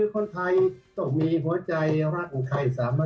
ก็ผู้ตำบลเรา